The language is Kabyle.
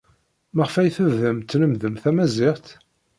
Maɣef ay tebdam tlemmdem tamaziɣt?